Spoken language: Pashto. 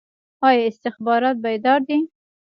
آیا استخبارات بیدار دي؟